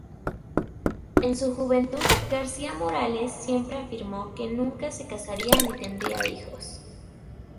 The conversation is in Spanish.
En su juventud García Morales siempre afirmó que nunca se casaría ni tendría hijos.